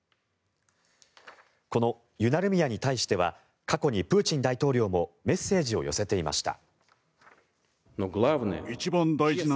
このユナルミヤに対しては過去にプーチン大統領もメッセージを寄せていました。